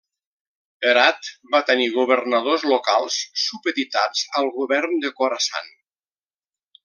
Herat va tenir governadors locals supeditats al govern del Khorasan.